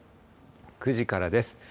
９時からです。